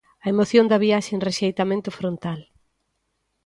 A emoción da viaxe en rexeitamento frontal.